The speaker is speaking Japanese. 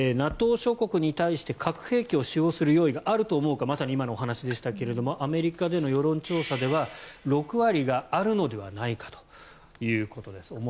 ＮＡＴＯ諸国に対して核兵器を使う用意があると思うかまさに今のお話でしたがアメリカでの世論調査では６割があるのではないかということです。